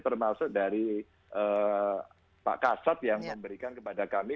termasuk dari pak kasat yang memberikan kepada kami